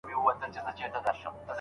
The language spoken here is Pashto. مثبت فکر وکړه